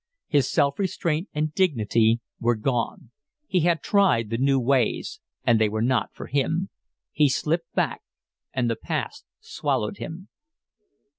His self restraint and dignity were gone. He had tried the new ways, and they were not for him. He slipped back, and the past swallowed him.